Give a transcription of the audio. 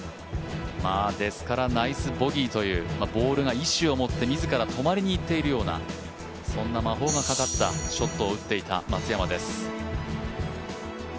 ですから、ナイスボギーというボールが意思を持って自ら止まりにいっているようなそんな魔法がかかったショットを打っていた松山です。